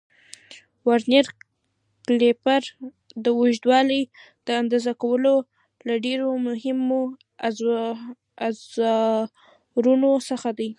ورنیر کالیپر د اوږدوالي د اندازه کولو له ډېرو مهمو اوزارونو څخه دی.